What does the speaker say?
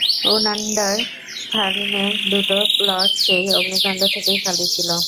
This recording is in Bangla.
উনান্ডার-স্খারিনের দুটো প্লট সেই অগ্নিকাণ্ড থেকেই খালি ছিল।